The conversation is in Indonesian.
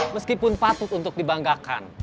meskipun patut untuk dibanggakan